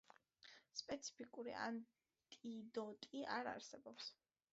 სპეციფიკური ანტიდოტი არ არსებობს.